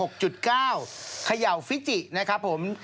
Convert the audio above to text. เขย่าฟิจินะครับผม